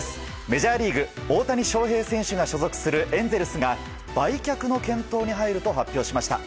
メジャーリーグ大谷翔平選手が所属するエンゼルスが売却の検討に入ると発表しました。